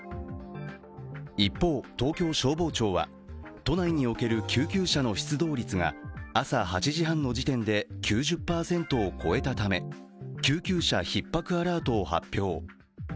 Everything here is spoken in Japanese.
一方、東京消防庁は、都内における救急車の出動率が朝８時半の時点で９０％を超えたため救急車ひっ迫アラートを発表。